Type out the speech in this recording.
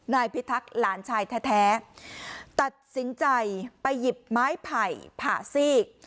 นายพิทักษ์หลานชายแท้ตัดสินใจไปหยิบไม้ไผ่ผ่าซีก